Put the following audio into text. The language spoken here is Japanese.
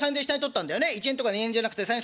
１円とか２円じゃなくて３円。